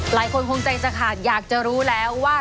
หลายคนคงใจจะขาดอยากจะรู้แล้วว่า